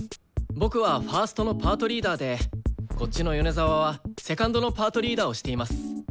僕はファーストのパートリーダーでこっちの米沢はセカンドのパートリーダーをしています。